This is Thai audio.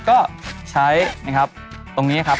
ก็ใช้นะครับตรงนี้ครับ